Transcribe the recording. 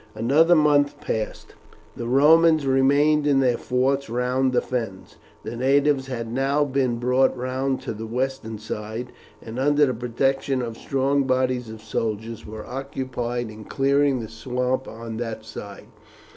Another month passed. The Romans still remained in their forts round the Fens. The natives had now been brought round to the western side, and under the protection of strong bodies of soldiers were occupied in clearing the swamp on that side.